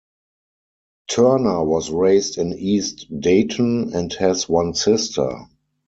Turner was raised in East Dayton and has one sister.